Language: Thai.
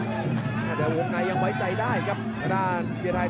เดี๋ยววงในยังไว้ใจได้ครับข้าด้านเกียร์ไทย